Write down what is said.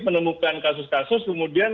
menemukan kasus kasus kemudian